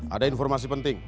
ada informasi penting